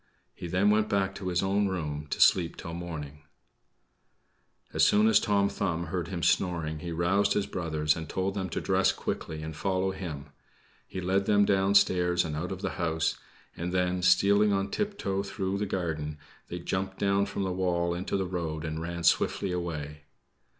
He then went back to his own room to sleep till morning. As soon as Tom Thumb heard him snoring, he roused his brothers, and told them to dress quickly and follow him. He led them downstairs and out of the house; and then, stealing on tiptoe through the garden, they jumped down from the wall into the road and ran swiftly away.